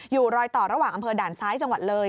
รอยต่อระหว่างอำเภอด่านซ้ายจังหวัดเลย